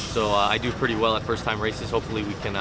jadi saya melakukan dengan baik dalam perang pertama